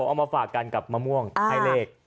เอามาฝากกันกับมะม่วงให้เลข